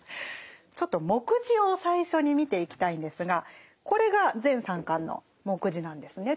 ちょっと目次を最初に見ていきたいんですがこれが全３巻の目次なんですね。